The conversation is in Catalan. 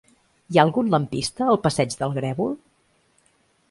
Hi ha algun lampista al passeig del Grèvol?